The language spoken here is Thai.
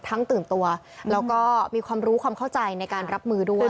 ตื่นตัวแล้วก็มีความรู้ความเข้าใจในการรับมือด้วย